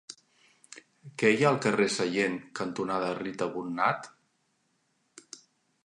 Què hi ha al carrer Sallent cantonada Rita Bonnat?